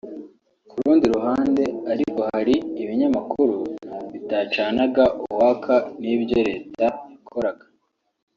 Ku rundi ruhande ariko hari ibinyamakuru bitacanaga uwaka n’ibyo Leta yakoraga